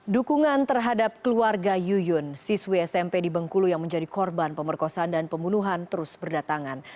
dukungan terhadap keluarga yuyun siswi smp di bengkulu yang menjadi korban pemerkosaan dan pembunuhan terus berdatangan